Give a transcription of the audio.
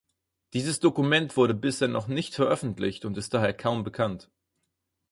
Dieses Dokument wurde bisher noch nicht veröffentlicht und ist daher kaum bekannt.